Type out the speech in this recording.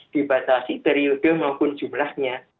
dibatasi periode maupun jumlahnya